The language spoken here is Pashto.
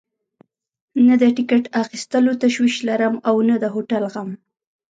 نه د ټکټ اخیستلو تشویش لرم او نه د هوټل غم.